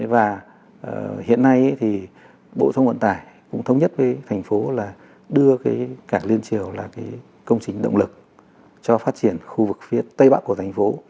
và hiện nay thì bộ thông vận tải cũng thống nhất với thành phố là đưa cảng liên triều là công trình động lực cho phát triển khu vực phía tây bắc của thành phố